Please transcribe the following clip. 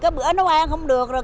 cái bữa nó ăn không được rồi